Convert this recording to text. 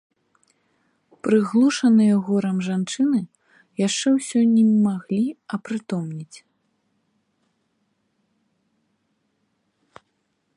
Прыглушаныя горам жанчыны яшчэ ўсё не маглі апрытомнець.